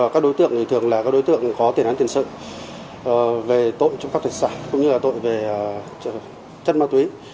các đối tượng thường là các đối tượng có tiền án tiền sợi về tội trong các thị xã cũng như là tội về chất ma túy